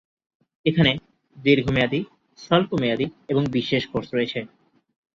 এখানে দীর্ঘমেয়াদী, স্বল্প মেয়াদি এবং বিশেষ কোর্স রয়েছে।